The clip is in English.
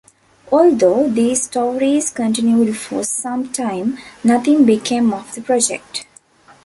Although these stories continued for some time nothing became of the project.